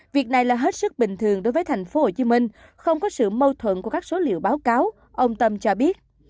việc này là hết sức bình thường đối với thành phố hồ chí minh không có sự mâu thuận của các số liệu báo cáo ông tâm cho biết